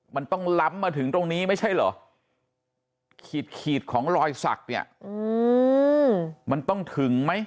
มันต้องถึงมั้ยรี่ยังไง